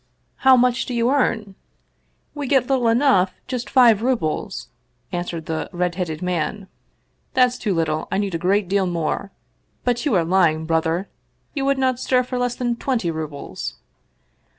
" How much do you earn ?" 192 Vsevolod Vladimir ovitch Krcstovski " We get little enough ! Just five rubles," answered the red headed man. " That's too little. I need a great deal more. But you are lying, brother! You would not stir for less than twenty rubles